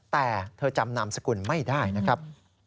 แต่เธอจำนามสกุลไม่ได้นะครับ